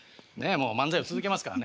漫才を続けますからね。